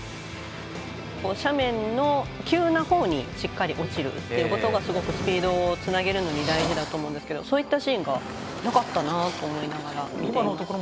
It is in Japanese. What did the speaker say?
斜面の急なほうにしっかり落ちるということがスピードをつなげるのに大事だと思うんですけどそういったシーンがなかったなと思いながら見ていました。